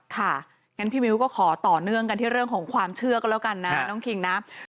งั้นพี่มิ้วก็ขอต่อเนื่องกันที่เรื่องของความเชื่อก็แล้วกันนะน้องคิงนะ